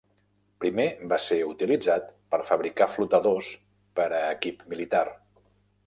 Primer va ser utilitzat per fabricar flotadors per a equip militar.